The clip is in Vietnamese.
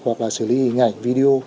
hoặc là xử lý hình ảnh video